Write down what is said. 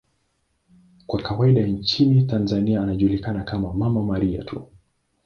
Kwa kawaida nchini Tanzania anajulikana kama 'Mama Maria' tu.